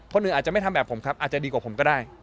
อาจจะไม่ทำแบบผมครับอาจจะดีกว่าผมก็ได้